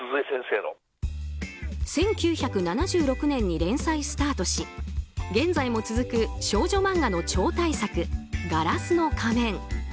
１９７６年に連載スタートし現在も続く少女漫画の超大作「ガラスの仮面」。